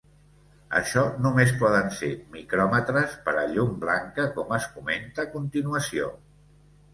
Això només poden ser micròmetres per a llum blanca, com es comenta a continuació.